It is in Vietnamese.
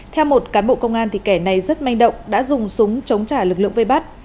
theo một cán bộ công an thì kẻ này rất manh động đã dùng súng chống trả lực lượng vây bắt